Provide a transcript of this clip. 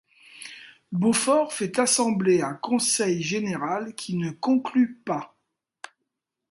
Beaufort fait assembler un conseil général qui ne conclut pas.